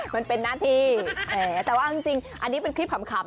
มันเป็นนาธิแต่ว่าจริงอันนี้เป็นคลิปขำเนาะ